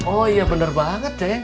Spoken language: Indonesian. oh iya bener banget ya